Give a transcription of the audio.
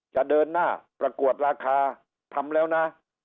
จะเดินหน้าประกวดราคาทำแล้วนะ